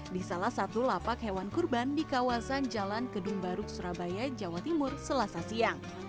di salah satu lapak hewan kurban di kawasan jalan kedung baruk surabaya jawa timur selasa siang